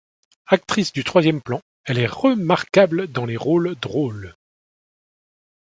Actrice du troisième plan, elle est remarquable dans les rôles drôles.